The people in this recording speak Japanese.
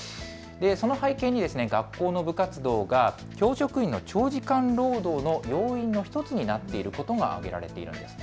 その背景に学校の部活動が教職員の長時間労働の要因の１つになっていることが挙げられているんです。